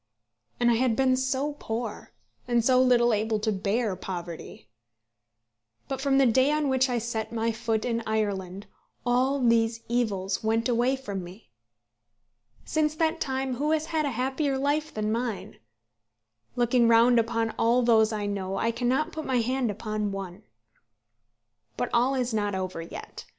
And I had been so poor; and so little able to bear poverty. But from the day on which I set my foot in Ireland all these evils went away from me. Since that time who has had a happier life than mine? Looking round upon all those I know, I cannot put my hand upon one. But all is not over yet.